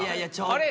あれ？